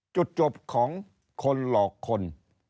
จุดจบของคนหลอกคน